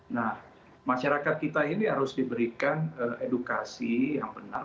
nah masyarakat kita ini harus diberikan edukasi yang benar